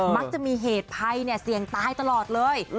มักจะมีเหตุภัยเสี่ยงตายตลอดเลย